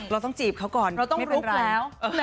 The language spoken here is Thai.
เราต้องจีบเขาก่อนไม่เป็นไร